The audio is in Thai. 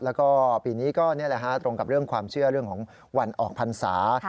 แล้วก็ปีนี้ก็ตรงกับเรื่องความเชื่อเรื่องของวันออกพันษา